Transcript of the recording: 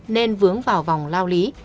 nên vướng vào vòng lao lý